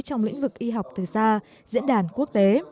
trong lĩnh vực y học từ xa diễn đàn quốc tế